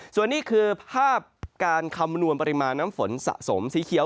ส่วนนี้คือภาพการคำนวณปริมาณน้ำฝนสะสมสีเขียว